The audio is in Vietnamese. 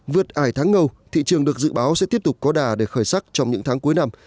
vượt ải tháng ngâu thị trường được dự báo sẽ tiếp tục có đà để khởi sắc trong những tháng cuối năm